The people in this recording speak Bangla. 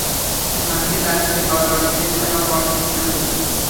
তিনি স্বামীকে তালাক দিয়ে বাবার বাড়িতে এসে আবার পড়াশোনা শুরু করেছিলেন।